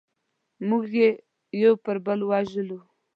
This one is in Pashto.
موږ یې یو پر بل ووژلو.